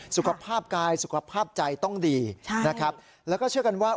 สุขภาพกายสุขภาพใจต้องดีใช่นะครับแล้วก็เชื่อกันว่า